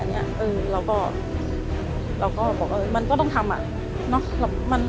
เราก็บอกว่ามันก็ต้องทำ